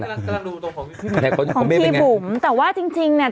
กำลังกำลังดูตรงของพี่พี่ของพี่บุ๋มแต่ว่าจริงจริงเนี้ย